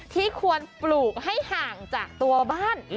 ที่ควรปลูกให้ห่างจากตัวบ้าน